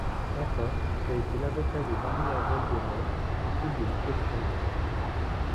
Enfin, il a été l'avocat de Marie-Angèle Domèce, victime de Michel Fourniret.